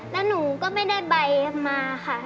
แล้วหนูก็ไม่ได้ใบมาค่ะ